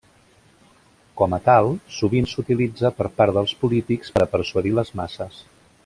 Com a tal sovint s'utilitza per part dels polítics per a persuadir les masses.